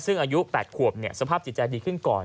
ซึ่งอายุ๘ขวบสภาพจิตใจดีขึ้นก่อน